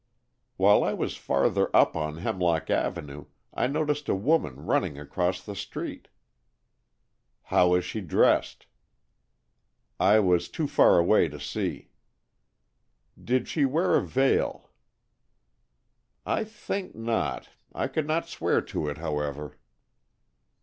"While I was farther up on Hemlock Avenue I noticed a woman running across the street." "How was she dressed?" "I was too far away to see." "Did she wear a veil?" "I think not. I could not swear to it, however."